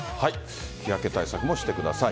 日焼け対策もしてください。